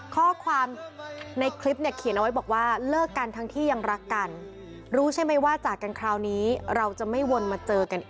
ข้อความในคลิปเนี่ยเขียนเอาไว้บอกว่า